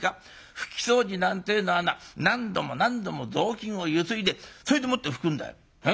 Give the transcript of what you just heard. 拭き掃除なんてえのはな何度も何度も雑巾をゆすいでそれでもって拭くんだよ。